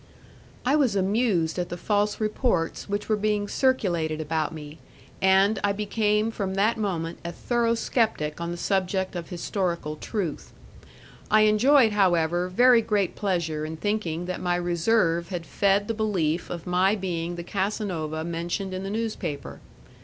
I was amused at the false reports which were being circulated about me, and I became from that moment a thorough sceptic on the subject of historical truth. I enjoyed, however, very great pleasure in thinking that my reserve had fed the belief of my being the Casanova mentioned in the newspaper.